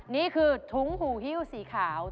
นี่คือถุงหูฮิ้วสีขาว